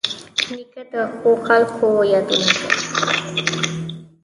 نیکه د ښو خلکو یادونه کوي.